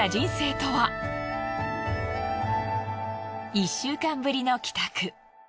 １週間ぶりの帰宅。